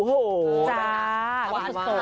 วัดสุดสวัสดีค่ะ